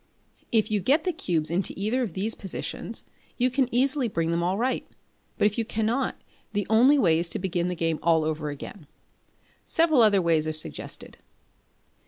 If you get the cubes into either of these positions, you can easily bring them right; but if you cannot, the only way is to begin the game all over again. Several other ways are suggested.